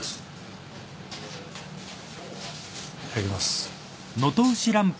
いただきます。